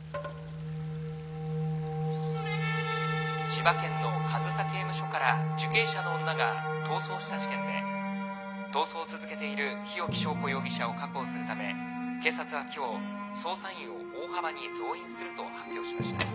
「千葉県の上総刑務所から受刑者の女が逃走した事件で逃走を続けている日置昭子容疑者を確保するため警察は今日捜査員を大幅に増員すると発表しました」。